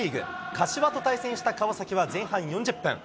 柏と対戦した川崎は前半４０分。